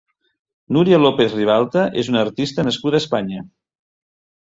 Núria López-Ribalta és una artista nascuda a Espanya.